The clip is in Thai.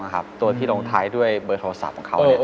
ตัวที่ลงท้ายด้วยเบอร์โทรศัพท์ของเขา